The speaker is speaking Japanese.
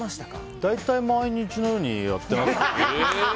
大体毎日のようにやってますよ。